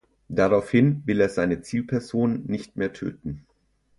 Daraufhin will er seine Zielperson nicht mehr töten.